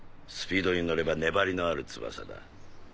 スピードに乗れば粘りのある翼だ。